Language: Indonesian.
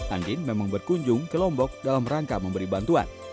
andin memang berkunjung ke lombok dalam rangka memberi bantuan